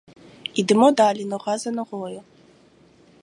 Ідемо далі нога за ногою.